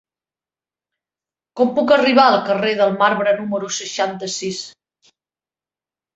Com puc arribar al carrer del Marbre número seixanta-sis?